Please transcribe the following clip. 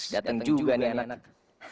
datang juga nih anak